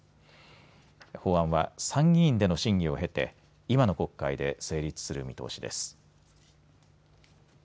法案は参議院での審議を経て今の国会で成立する見通しです。